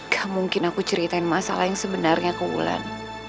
gak mungkin aku ceritain masalah yang sebenarnya ke mulan